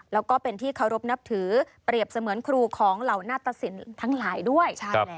แล้วก็เป็นที่เคารพนับถือเปรียบเสมือนครูของเหล่านาตสินทั้งหลายด้วย